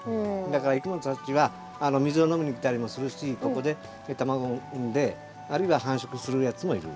だからいきものたちは水を飲みにきたりもするしここで卵を産んであるいは繁殖するやつもいる。